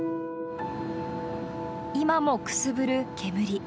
今もくすぶる煙。